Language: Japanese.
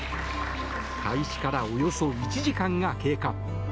開始からおよそ１時間が経過。